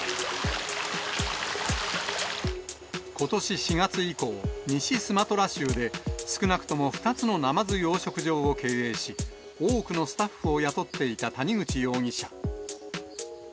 ことし４月以降、西スマトラ州で、少なくとも２つのナマズ養殖場を経営し、多くのスタッフを雇っていた谷口容疑者。